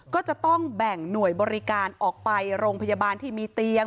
ก็จะต้องแบ่งหน่วยบริการออกไปโรงพยาบาลที่มีเตียง